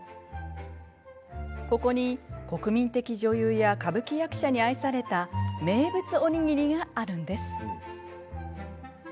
ここに国民的女優や歌舞伎役者に愛された名物おにぎりがあるんです。